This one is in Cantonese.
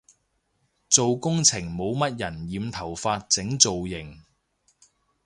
做工程冇乜人有染頭髮整造型